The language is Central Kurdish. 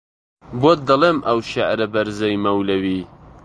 بۆت دەڵێم ئەو شێعرە بەرزەی مەولەوی